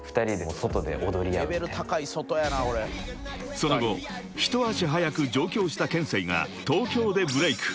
［その後一足早く上京したＫＥＮＳＥＩが東京でブレイク］